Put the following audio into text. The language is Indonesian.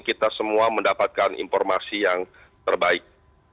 kita semua mendapatkan informasi yang terbaik